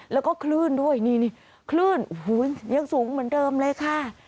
แล้วก็คลื่นด้วยนี่คลื่นโอ้โหยังสูงเหมือนเดิมเลยค่ะ